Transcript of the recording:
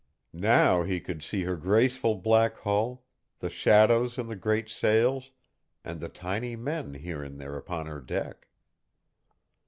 Now he could see her graceful black hull, the shadows in the great sails, and the tiny men here and there upon her deck.